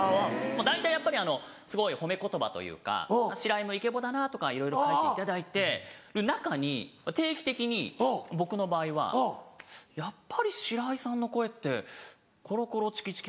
大体やっぱりすごい褒め言葉というか「白井もイケボだな」とかいろいろ書いていただいてる中に定期的に僕の場合は「やっぱり白井さんの声ってコロコロチキチキ